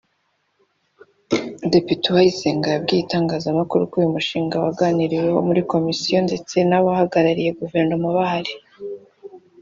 Depite Uwayisenga yabwiye itangazamakuru ko uyu mushinga waganiriweho muri komisiyo ndetse n’abahagarariye guverinoma bahari